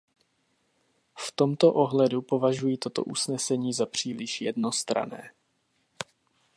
V tomto ohledu považuji toto usnesení za příliš jednostranné.